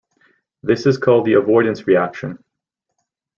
This is called the avoidance reaction.